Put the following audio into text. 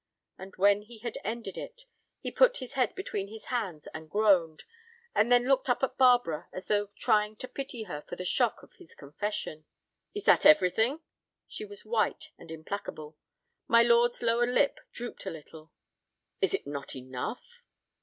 And when he had ended it he put his head between his hands and groaned, and then looked up at Barbara as though trying to pity her for the shock of his confession. "Is that everything?" She was white and implacable. My lord's lower lip drooped a little. "Is it not enough?"